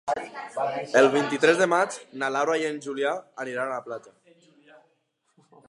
El vint-i-tres de maig na Laura i en Julià aniran a la platja.